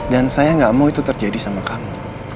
dan saya gak mau itu terjadi sama kamu